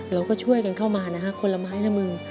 เราก็ช่วยกันเข้ามานะฮะคนละไม้ละมือ